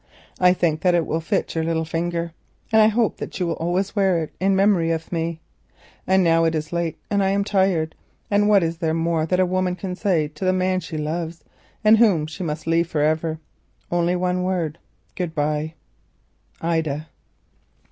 I think that it will fit your little finger and I hope you will always wear it in memory of me. It was my mother's. And now it is late and I am tired, and what is there more that a woman can say to the man she loves—and whom she must leave for ever? Only one word—Good bye. Ida."